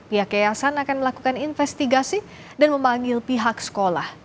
pihak yayasan akan melakukan investigasi dan memanggil pihak sekolah